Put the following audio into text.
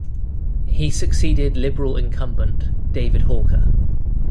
He succeeded Liberal incumbent David Hawker.